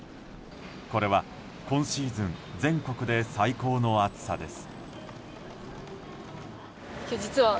これは今シーズン全国で最高の暑さです。